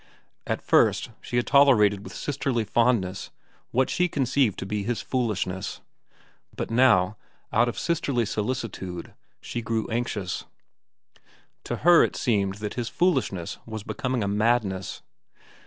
At first she had tolerated with sisterly fondness what she conceived to be his foolishness; but now, out of sisterly solicitude, she grew anxious. To her it seemed that his foolishness was becoming a madness.